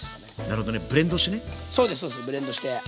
なるほどねブレンドしてね。